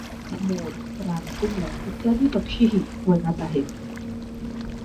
तसेच मोर, रानकोंबडा, इत्यादी पक्षीही वनांत आहेत.